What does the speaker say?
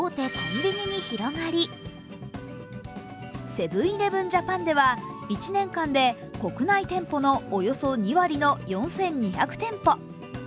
セブン−イレブン・ジャパンでは１年間で国内店舗のおよそ２割の４２００店舗。